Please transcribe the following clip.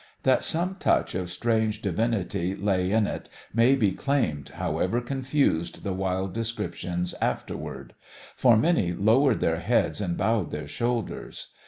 That some touch of strange divinity lay in it may be claimed, however confused the wild descriptions afterward. For many lowered their heads and bowed their shoulders.